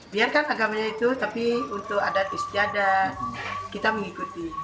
biarkan agamanya itu tapi untuk adat istiadat kita mengikuti